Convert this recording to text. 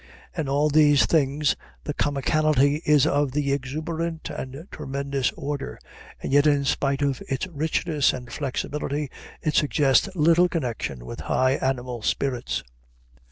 In all these things the comicality is of the exuberant and tremendous order, and yet in spite of its richness and flexibility it suggests little connection with high animal spirits.